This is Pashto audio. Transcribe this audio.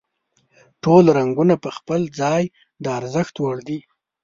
ټول رنګونه په خپل ځای د ارزښت وړ دي.